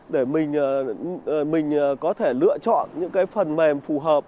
để mình có thể lựa chọn những cái phần mềm phù hợp